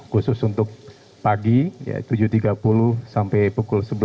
khusus untuk pagi tujuh tiga puluh sampai pukul sebelas